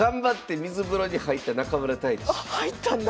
入ったんだ！